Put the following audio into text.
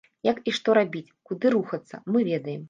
Як і што рабіць, куды рухацца, мы ведаем.